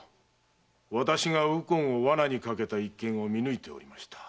私が右近を罠にかけた一件を見抜いておりました。